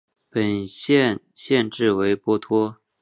本县县治为波托。